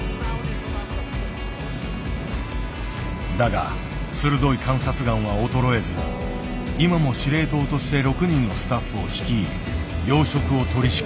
だが鋭い観察眼は衰えず今も司令塔として６人のスタッフを率い養殖を取りしきる。